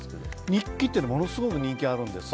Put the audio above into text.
日記ってものすごく人気があるんです。